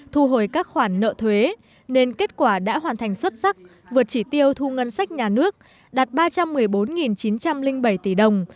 thu hồi các khoản nợ thuế nên kết quả đã hoàn thành xuất sắc vượt chỉ tiêu thu ngân sách nhà nước đạt ba trăm một mươi bốn chín trăm linh bảy tỷ đồng